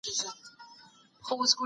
پخواني جنګونه تر اوسنیو هغو ډېر خونړي وو.